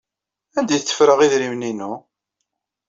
Anda ay tteffreɣ idrimen-inu?